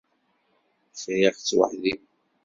Friɣ-tt weḥd-i.